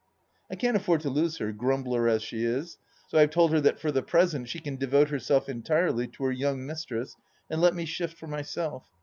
I can't afford to lose her, grumbler as she is, so I have told her that for the present she can devote herself entirely to her young mistress and let me shift for myself.